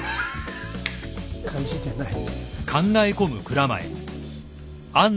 感じてない。